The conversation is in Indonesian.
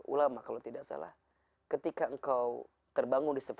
ulama kalau tidak salah ketika engkau